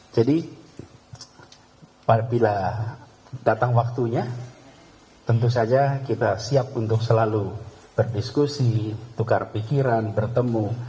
jadi bila datang waktunya tentu saja kita siap untuk selalu berdiskusi tukar pikiran bertemu